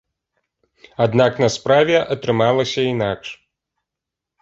Аднак на справе атрымалася інакш.